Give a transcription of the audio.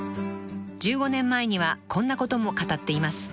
［１５年前にはこんなことも語っています］